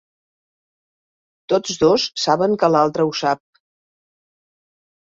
Tots dos saben que l'altre ho sap.